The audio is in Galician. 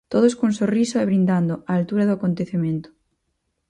Todos cun sorriso e brindando, a altura do acontecemento.